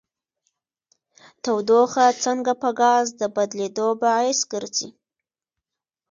تودوخه څنګه په ګاز د بدلیدو باعث ګرځي؟